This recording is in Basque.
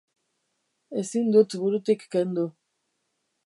Ezin dut burutik kendu.